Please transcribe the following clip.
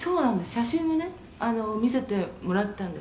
写真をね見せてもらったんです」